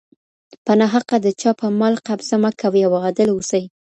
په ناحقه د چا په مال قبضه مه کوئ او عادل اوسئ.